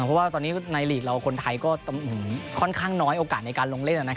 เพราะว่าตอนนี้ในหลีกเราคนไทยก็ค่อนข้างน้อยโอกาสในการลงเล่น